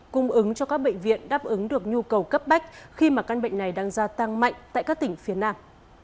cung ứng cho các bệnh viện đáp ứng được nhu cầu cấp bách khi mà căn bệnh này đang gia tăng mạnh tại các tỉnh phía nam